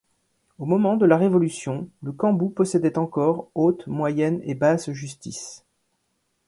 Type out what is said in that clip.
Au moment de la Révolution, Le Cambout possédait encore, haute, moyenne et basse justice.